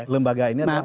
lembaga ini enggak ada